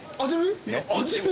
味見。